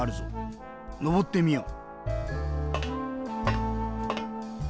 のぼってみよう。